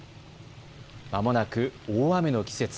まもなく大雨の季節。